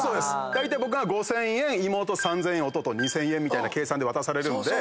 だいたい僕が５，０００円妹３，０００円弟２，０００円みたいな計算で渡されるんで。